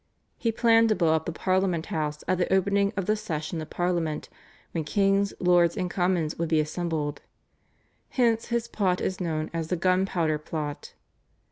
He planned to blow up the Parliament House at the opening of the session of Parliament when king, lords, and commons would be assembled. Hence his plot is known as the Gunpowder Plot.